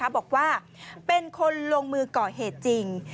บอกว่าเป็นคนลงมือก่อเหตุจริง